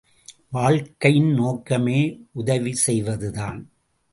வாழ்க்கையின் நோக்கமே உதவி செய்வதுதான்.